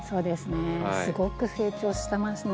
すごく成長してますね。